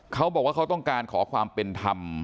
เขาบอกว่าเขาต้องการขอความเป็นธรรม